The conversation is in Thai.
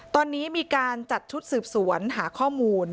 ตอนนี้มีการจัดชุดสืบสวนหาข้อมูล